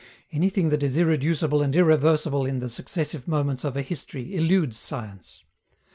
Anything that is irreducible and irreversible in the successive moments of a history eludes science.